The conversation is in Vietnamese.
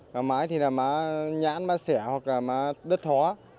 gà mái thì là má nhãn má sẻ hoặc là má đất thóa